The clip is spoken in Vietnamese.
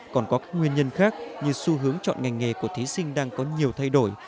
còn có các nguyên nhân khác như xu hướng chọn ngành nghề của thí sinh đang có nhiều thay đổi